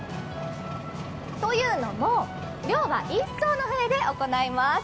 というのも、漁は１そうの船で行われます。